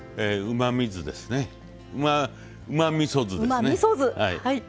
うまみそ酢ですね。